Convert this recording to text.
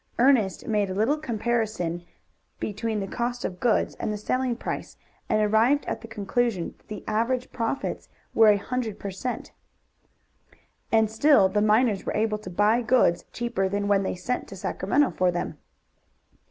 Ernest made a little comparison between the cost of goods and the selling price, and arrived at the conclusion that the average profits were a hundred per cent. And still the miners were able to buy goods cheaper than when they sent to Sacramento for them.